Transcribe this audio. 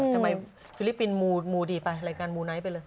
ฟิลิปปินส์มูดีไปรายการมูไนท์ไปเลย